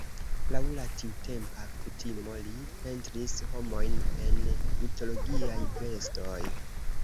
Laŭ la tiutempa kutimo li pentris homojn en mitologiaj vestoj.